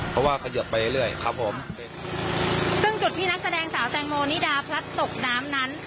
เพราะว่าเขยิบไปเรื่อยครับผมซึ่งจุดที่นักแสดงสาวแตงโมนิดาพลัดตกน้ำนั้น